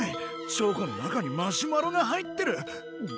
チョコの中にマシュマロが入ってる！